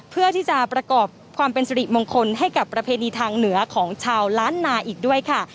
เพื่อที่จะประกอบความเป็นสิริมงคลให้กับประเพณีทางเหนือของชาวล้านนาอีกด้วยค่ะ